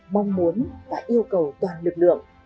mong muốn và yêu cầu toàn lực lượng